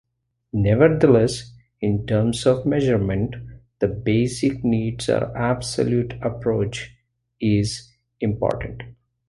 Nevertheless, in terms of "measurement", the basic needs or absolute approach is important.